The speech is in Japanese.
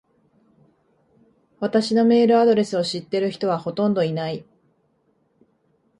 私のメールアドレスを知ってる人はほとんどいない。